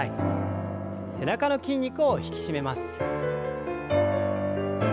背中の筋肉を引き締めます。